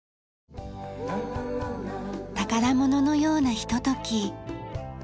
宝物のようなひととき。